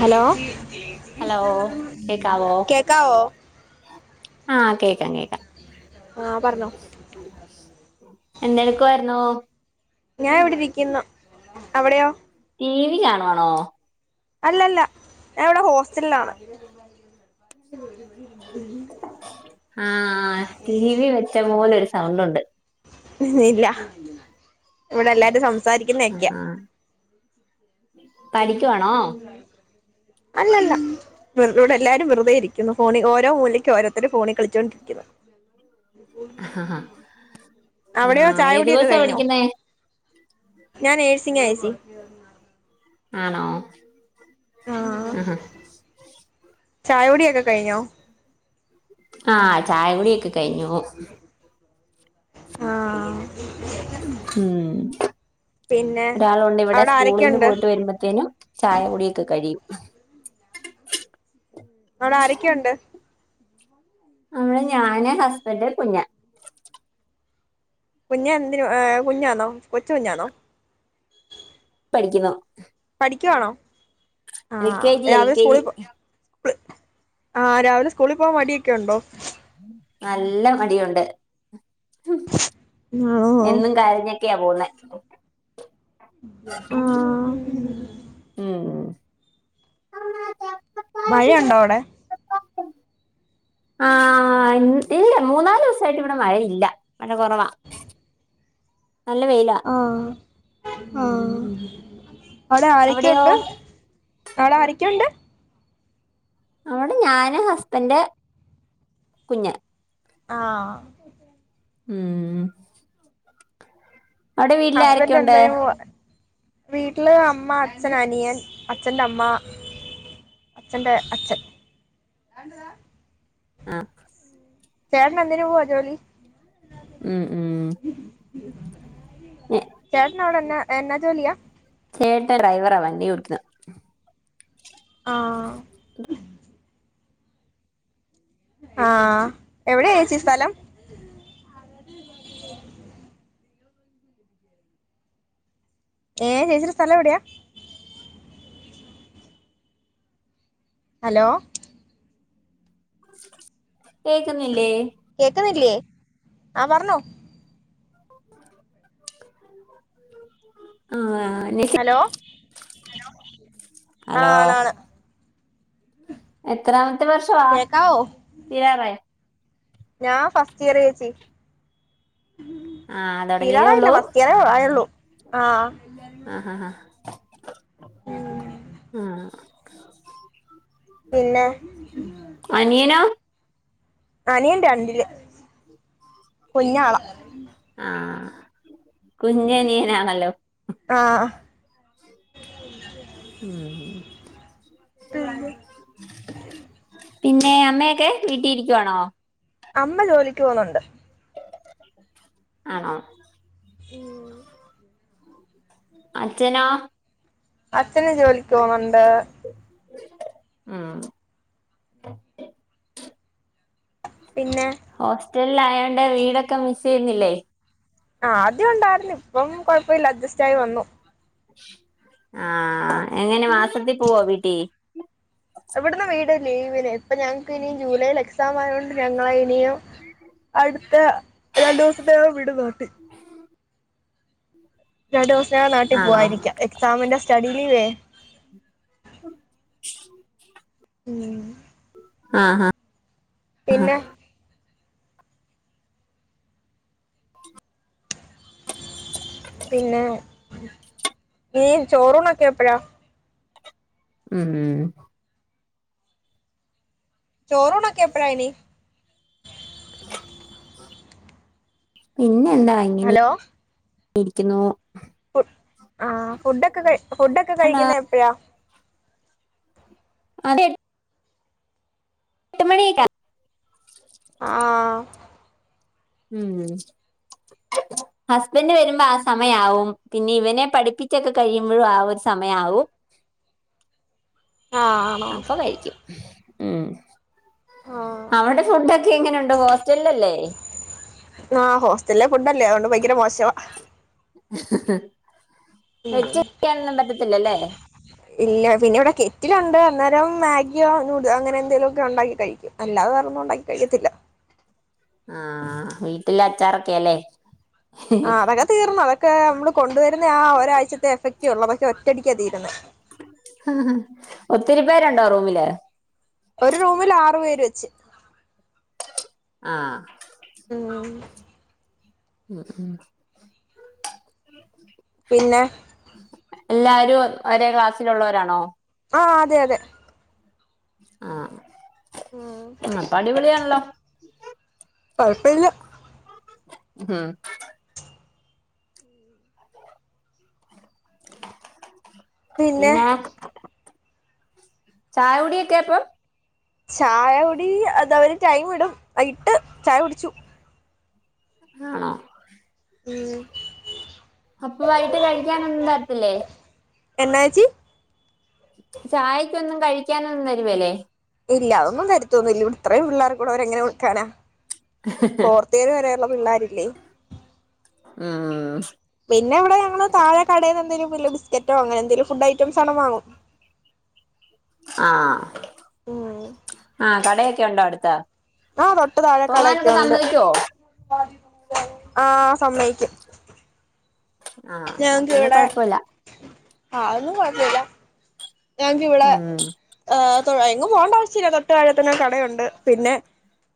Hello hello കേക്കാവോ കേക്കാവോ ആഹ കേക്കാം കേക്കാം ആഹ് പറഞ്ഞോ എന്തെടക്കായിരുന്നോ ഞാൻ എവിടെ ഇരിക്കുന്നു അവിടെയോ ടി വി കാണുവാണോ അല്ലല്ല ഞാൻ ഇവിടെ ഹോസ്റ്റലിലാണ് ആഹ ടി വി വെച്ച പോലെ ഒരു സൗണ്ട് ഉണ്ട് ഇല്ല ഇവിടെ എല്ലാരും സംസാരിക്കുന്നക്കെയാ ആഹ് പഠിക്കുവാണോ അല്ലല്ല ഇവടെഎല്ലാരുംവറുതെ ഇരിക്കന്നു. ഫോണ ഓര മൂലയ്ക്ക് ഓരരുത്തര ഫോണി കളിച്ചൊണ്ടിരിക്കുന്നു. അവിടെയോ ആഹ് ചായ ഏത് കുടിയൊക്കെ കോഴ്സാ കഴിഞ്ഞോ പഠിക്കുന്നേ. ഞാൻ നെഴ്സിംഗ ചേച്ചി. [unintelligible] ആണോ ആഹ് ആഹ. ചായ കുടിയൊക്കെ കയിഞ്ഞോ. ആഹ് ചായ കുടിയൊക്കെ കയ്ഞ്ഞു. ആഹ് ഉം. പിന്നെ ഒരാളുണ്ട് ഇവിടെ അവിടെ സ്കൂളിന്ന് ആരൊക്കെയുണ്ട് പോയിട്ട് അവിടെ വരുമ്പത്തേനും ചായ കുടിയൊക്കെ കഴിയും. അവിട ആരക്കെയുണ്ട്. നമ്മള് ഞാന് ഹസ്ബന്റ് കുഞ്ഞ. കുഞ്ഞ എന്തിനു ഏഹ് കുഞ്ഞാന്നോ കൊച്ച് കുഞ്ഞാന്നോ. പഠിക്ക്യുന്നു. പഠിക്ക്യുവാണോ എൽ കെ ആഹ് ജി എൽ രാവിലെ കെ ജി സ്കൂളി പോ പ്ല് ആഹ് രാവിലെ സ്കൂളി പോവാൻ മടിയൊക്കെ ഉണ്ടോ. നല്ല മടിയുണ്ട് എന്നും കരഞ്ഞ്. ക്കെയ പോവുന്നെ. ഉം ആഹ്. ഉം. മഴയുണ്ടോ അവിടെ. ആഹ്. ആഹ് ഇ ഇല്ല മൂന്നാല് ദിവസായിട്ട് ഇവിടെ മഴയില്ല മഴ കുറവാ. നല്ല വെയില. ആഹ് ആഹ് അവിടെ ആരൊക്കെ അവിടെയോ ഉണ്ട്. അവിടെ ആരക്കെ ഉണ്ട്. അവിടെ ഞാന് ഹസ്ബൻറ് കുഞ്ഞ. ആഹ്. ഉം. അവിടെ വീട്ടിൽ ആരൊക്കെ ഹസ്ബെന്റ് ഉണ്ട് എന്തെയ്യുവാ. വീട്ടില് അമ്മ അച്ഛൻ അനിയൻ അച്ഛന്റമ്മ. അച്ഛന്റെ അച്ഛൻ. ആഹ്. ചേട്ടന് എന്തിന് പോവ ജോലി. ഉം ഉം. ഞ- ചേട്ടനവിടെ എന്ന എന്നാ ജോലിയാ. ചേട്ട ഡ്രൈവറാ വണ്ടി ഓടിക്കുന്ന്. ആഹ് ആഹ് എവിടെ ചേച്ചി സ്ഥലം. ഏ ചേച്ചിടെ സ്ഥലം എവിടെയാ. ഹലോ. കേക്കുന്നില്ലേ. കേക്കുന്നില്ലേ ആഹ് പറഞ്ഞോ. ആഹ് നി ഹലോ ആ ഹലോ ആണാണ്. എത്രാമത്തെ വർഷവാ കേക്കാവോ തീരാറായൊ. ഞാൻ ഫസ്റ്റ് ഇയർ ചേച്ചി. ആ തുടങ്ങിയതേ തീരാറായില്ല. ഉള്ളൂ ഫസ്റ്റ് ഇയറെ ആയൊള്ളു ആഹ് ആഹഹ ആഹ് പിന്നെ അനിയനോ അനിയൻ രണ്ടില്. കുഞ്ഞാള. ആഹ് കുഞനിയനാണല്ലോ ആഹ് ഉം ഉം. ഹ് പിന്നെ അമ്മയെക്കെ വീട്ടി ഇരിക്കുവാണോ അമ്മ ജോലിക്ക് പോവുന്നുണ്ട് ആണോ ഉം അച്ഛനോ അച്ഛന് ജോലിക്ക് പോവുന്നുണ്ട് ആഹ് പിന്നെ ഹോസ്റ്റൽല് ആയൊണ്ട് വീടൊക്കെ മിസ്സെയ്യുന്നില്ലേ ആ ആദ്യം ഉണ്ടായിർന്നു ഇപ്പം കൊഴപ്പ ഇല്ല അഡ്ജസ്റ്റ് ആയി വന്നു ആ എങ്ങനെ മാസത്തി പോവോ വീട്ടി ഇവട്ന്ന് വീട് ലീവിന് ഇപ്പ ഞങ്ങക്ക് ഇനി ജൂലൈല് എക്സാമ് ആയൊണ്ട് ഞങ്ങള ഇനിയും അട്ത്ത രണ്ടു ദിവസത്തിനകം വിട് [unintelligible] രണ്ടു ദിവസ്ത്തിനകം നാട്ടി ആണോ പോവായിരിക്ക എക്സാമിന്റെ സ്റ്റഡി ലീവേ ഉ ഉം ആ ഹാ പിന്നെ പിന്നെ ഇനി ചോറൂണൊക്കെ എപ്പഴാ ഉം ഉം ചോറൂണൊക്കെ എപ്പയാ ഇനി പിന്നെ എന്താ അങ്ങനെ ഹലോ ഇരിക്കുന്നു ഫു ആ ഫുഡക്കെ ക ഫുഡക്കെ കഴിക്കുന്ന എപ്പഴാ അതെ എട്ട് മണിയെക്ക ആ ആഹ് ഉം ഹസ്ബൻഡ് വരുമ്പ ആ സമയാവും പിന്നെ ഇവനെ പഠിപ്പിച്ചൊക്കെ കഴിയുമ്പഴും ആ ഒരു സമയാവും ആ ആ അപ്പൊ കഴിക്ക്യും ഉം ആഹ് അവടെ ഫുഡൊക്കെ എങ്ങനെ ഉണ്ട് ഹോസ്റ്റൽലല്ലേ ആഹ് ഹോസ്റ്റൽലെ ഫുഡല്ലേ അതുകൊണ്ട് ഭയങ്കര മോശവാ ഉം വെച്ച് ക്യാനൊന്നും പറ്റത്തില്ല ലെ ഇല്ല പിന്നെ ഇവടെ കെറ്റിലുണ്ട് അന്നേരം മാഗിയോ നൂഡോ അങ്ങനെ എന്തെലോക്ക ഉണ്ടാക്കി കഴിക്കും അല്ലാതെ വേറെന്നും ഉണ്ടാക്കി കഴിക്കത്തില്ല ആഹ് വീട്ടിലെ അച്ചാറൊക്കെ ലെ ആഹ് അതൊക്കെ തീർന്നു അതൊക്കെ നമ്മള് കൊണ്ടുവരുന്ന ആ ഒരാഴ്ത്തെ എഫക്റ്റേ ഉള്ളൂ അതൊക്കെ ഒറ്റടിക്കാ തീരുന്നേ ഒത്തിരി പേരുണ്ടോ റൂമില് ഒരു റൂമിൽ ആറു പേര് വെച്ച് ആഹ് മ്മ് മ്മ് മ്മ് പിന്നെ എല്ലാരും ഒരേ ക്ലാസ്സിലുള്ളവരാണോ ആഹ് അതെ അതെ ആഹ് ഉം അപ്പം അടിപൊളിയാണല്ലോ കുഴപ്പമില്ല മ്മ് പിന്നെ ചായ കുടിയൊക്കെയാ അപ്പം ചായ കുടി അത് അവര് ടൈം ഇടും ഇട്ട് ചായ കുടിച്ചു ആണോ ഉം അപ്പോ വൈകിട്ട് കഴിക്കാൻ ഒന്നും തരത്തില്ലേ എന്നാ ഏച്ചി ചായക്കൊന്നും കഴിക്കാനൊന്നും തരുവേല്ലേ ഇല്ലാ അതൊന്നും തരത്തൊന്നൂല്ല ഇവിടെ ഇത്രയും പിള്ളേർ കൂടെ അവരെങ്ങനെ കൊടുക്കാനാ തേര് വരെയുള്ള പിള്ളേരില്ലേ മ്മ് മ്മ് പിന്നെ ഇവിടെ ഞങ്ങള് താഴെ കടേന്ന് എന്തങ്കിലും ബിസ്ക്കറ്റോ അങ്ങനെ എന്തങ്കിലും ഫുഡ് ഐറ്റസ് ആണ് വാങ്ങും ആഹ് ഉം ആഹ് കടയൊക്കെ ഉണ്ടോ അടുത്ത് ആഹ് തൊട്ട് താഴെ കടയൊക്കെ പോകാനൊക്കെ ഉണ്ട് സമ്മതിക്കുവോ ആഹ് സമ്മതിക്കും ആഹ് എന്നാ ഞങ്ങക്ക് പിന്നെ ഇവിടെ കൊഴപ്പല്ല ആഹ് അതൊന്നും കൊഴപ്പില്ല ഞങ്ങക്ക് ഇവിടെ ഉം ആഹ് തൊ എങ്ങും പോകേണ്ട ആവശ്യമില്ല തൊട്ട് താഴെ തന്നെ കടയുണ്ട് പിന്നെ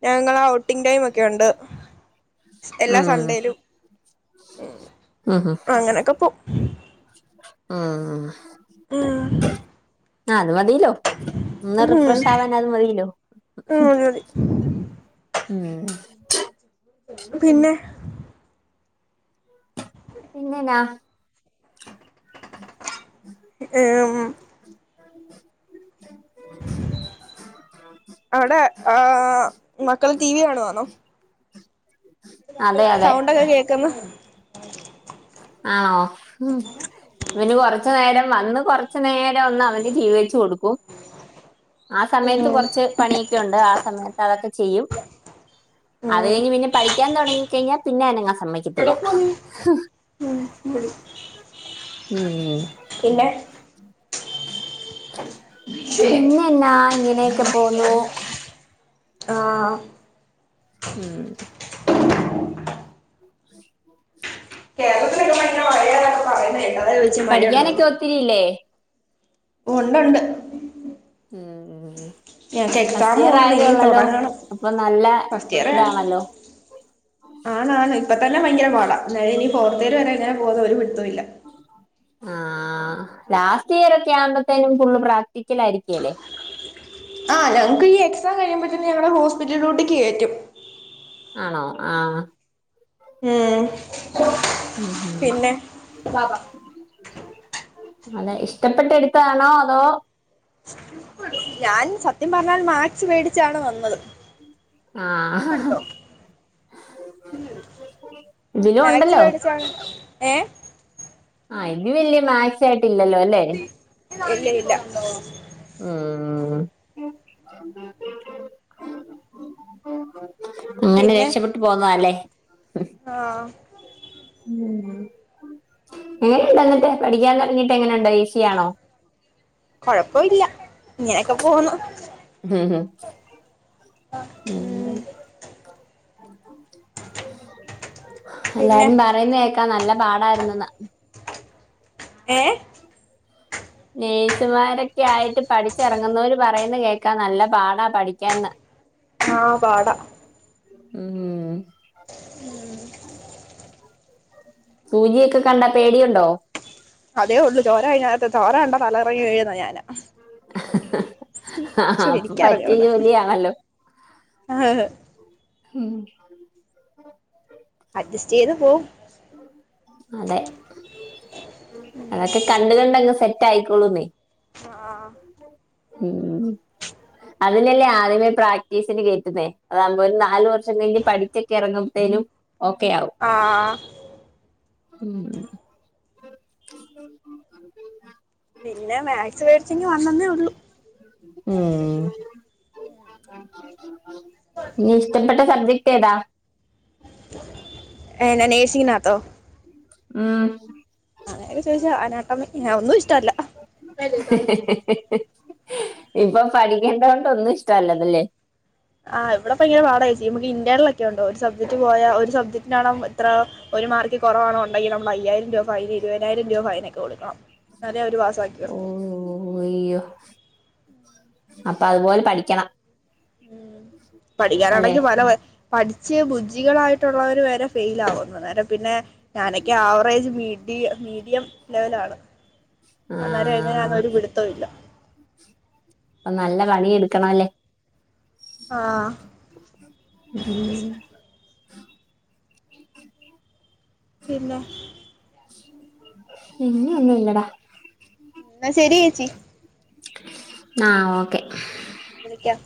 ഞങ്ങളാ ഔട്ടിംഗ് ടൈം ഒക്കെ ഉണ്ട് എല്ലാ ഉം സൺണ്ടേയിലും അങ്ങനൊക്കെ പോകും മ്മ് മ്മ് ആഹ് അത് മതിലോ ഒന്ന് റിഫ്രഷ് ആവാൻ അത് മതിലോ ഉം മതി മതി മ്മ് പിന്നെ പിന്നെ എന്നാ ഏഹ് മ്മ് അവിടെ ആഹ് മക്കള് ടി വി കാണുവാണോ [inaudible] അതെ അതെ സൗണ്ടൊക്കെ കേക്ക്ന്ന് ആണോ ഇവന് കൊറച്ചു നേരം വന്ന് കൊറച്ചു നേരം ഒന്ന് അവന് ടി വി വെച്ച് കൊടുക്കും ആ സമയത്ത് ഉം കൊറച്ച് പണിയൊക്കെ ഉണ്ട് ആ സമയത്ത് അതൊക്കെ ചെയ്യും അത് ഉം കഴിഞ്ഞ് പിന്നെ പഠിക്കാൻ തുടങ്ങി കഴിഞ്ഞാ പിന്നെ അനങ്ങാൻ സമ്മതിക്കത്തില്ല ഉം ഉം പിന്നെ പിന്നെ എന്നാ ഇങ്ങനെക്കെ പോന്നു ആ ഉം [inaudible] കേരളത്തിലെക്കെ പഠിക്കാനൊക്കെ ഒത്തിരിയില്ലേ ഒണ്ട് ഒണ്ട് ഉം ഉം ഞങ്ങക്ക് ഫസ്റ്റ് ഇയർ എക്സാമുമാണ് ആയതേ ഇനി ഒള്ളല്ലോ തുടങ്ങണം അപ്പൊ നല്ല ഇതാണല്ലോ ആണ് ആണ് ഇപ്പ തന്നെ ഭയങ്കര പാട ഇനി ഫോർത്ത് വരെ ഇങ്ങനെ പോകുന്ന ഒരു പിടിത്തൊ ഇല്ല ആ ലാസ്റ്റ് ഇയർ ഒക്കെ ആവുമ്പോത്തേനും ഫുള്ള് പ്രാക്ടിക്കല് ആയിരിക്കല്ലേ. ആ ഞങ്ങക്ക് ഈ എക്സാം കഴിയുമ്പോത്തന്നെ ഞങ്ങളുടെ ഹോസ്പിറ്റലിലൂട്ടി കേറ്റും. ആണോ ആ ഉം ഉം ഉം പിന്നെ അതെ ഇഷ്ടപ്പെട്ടെടുത്താണോ അതോ ഞാൻ സത്യം പറഞ്ഞാൽ മാക്സ് മേടിച്ചാണ് വന്നത് ആ മാക്സി മേടിച്ചാ ഏ ആ ഇത് വെല്യ മാക്സി ആയിട്ടില്ലല്ലോ അൽ ഇല്ല ഇല്ല ഉം അങ്ങനെ പിന്നെ രക്ഷപ്പെട്ട് പോനതല്ലേ ആ ഉം എങ്ങനെ ഇണ്ട് എന്നിട്ട് പഠിക്കാൻ തൊടങ്ങിട്ട് എങ്ങനെ ഉണ്ട് ഈസിയാണോ കൊഴപ്പൊ ഇല്ല ഇങ്ങനെക്കെ പോന്നു. ഉം ഉം പിന്നെ എല്ലാരും പറയുന്നെ കേക്കാ നല്ല പാടായിരുന്നന്ന് ഏ നഴ്സുമാരൊക്കെ ആയിട്ട് പഠിച്ചെറങ്ങുന്നവര് പറയുന്ന കേക്കാ നല്ല പാടാ പഠിക്കാന്ന്. ആ പാടാ ഉം ഉം സൂചിയൊക്കെ കണ്ട പേടിയുണ്ടോ അതേ ഒള്ളു ചോര കഴിഞ്ഞ കത്ത് ചോര കണ്ട തല കറങ്ങി വീഴുന്ന ഞാന ഉം ചോ അപ്പൊ എനിക്ക പറ്റിയ റിഞ്ഞോടാ ജോലിയാണല്ലോ ഉം അഡ്ജസ്റ്റ് ചെയ്ത് പോവും അതെ അതൊക്കെ കണ്ട് കണ്ടങ്ങ് സെറ്റ് ആയിക്കോളൂന്നേ. ആ ഉം അതിനല്ലേ ആദ്യമേ പ്രാക്ടീസിന് കേറ്റുന്നേ അതാവുമ്പോ ഒരു നാലു വർഷം കഴിഞ് പഠിച്ചൊക്കെ എറങ്ങുമ്പഴത്തേനും ഓക്കെയാവും ആഹ് ഉം പിന്നെ മാക്സ് വേടിച്ചെങ്കി വന്നന്നേ ഒള്ളൂ. ഉം ഇനി ഇഷ്ടപ്പെട്ട സബ്ജക്ട് സബ്ജെക്ട് ഏതാ ഏങ്ങനെ നേഴ്‌സിനങ്ങിനകത്തോ ഉം അങ്ങെനെക്കെ ചോയ്ചാ അയ്നാത്തൊന്ന് ഒന്നും ഇഷ്ടല്ല [inaudible] ഇപ്പൊ പഠിക്കേണ്ട കൊണ്ട് ഒന്നും ഇഷ്ടല്ലലൊല്ലേ ആഹ് ഇവടെ ഇപ്പോ ഇപ്പങ്ങനെ വാണേച്ചി നമക്ക് ഇന്റെണേൽ ഒക്കെ ഉണ്ടോ ഒരു സബ്ജക്ട് പോയാ ഒരു സബ്ജക്ട് ഇത്ര ഒരു മാർക്ക് കൊറവാണോ ഉണ്ടെങ്കിൽ നമ്മൾ അയ്യായിരം രൂപ ഫൈൻ ഇരുവയ്നായിരം രൂപ ഫൈന് ഒക്കെ കൊടുക്കണം ഇന്നാലെ ഒരു പാസാക്കി ഓ തരത്തൊള്ളൂ അയ്യോ അപ്പൊ അതുപോലെ പഠിക്കണം. ഉം അല്ലേ പഠിക്കാനാണെങ്കി പല പഠിച്ച് ബുജ്ജികളായിട്ടുള്ളവർ വരെ ഫെയില് ആവുന്നു അന്നേരം പിന്നെ ഞാനൊക്കെ ആവറേജ് മീഡിയ മീഡിയം ലെവലാണ് ആ അന്നേര എങ്ങനെയാന്ന ഒരു പിടുത്തം ഇല്ല അപ്പൊ നല്ല പണി എടുക്കണല്ലേ ആഹ് ഉം പിന്നേ പിന്ന ഒന്നുല്ലടാ എന്ന ശരി ഏച്ചി ആഹ് ഓക്കേ വിളിക്കാം